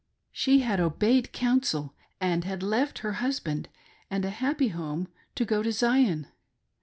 She had obeyed . counsel, and had left her husband and a happy home to go to Zion.